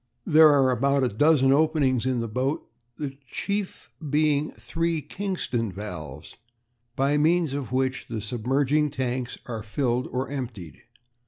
"There are about a dozen openings in the boat, the chief being three Kingston valves, by means of which the submerging tanks are filled or emptied.